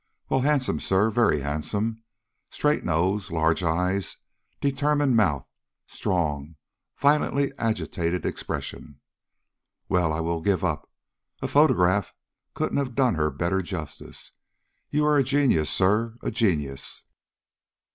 Well, handsome, sir, very handsome; straight nose, large eyes, determined mouth, strong, violently agitated expression. Well, I will give up! A photograph couldn't have done her better justice. You are a genius, sir, a genius!"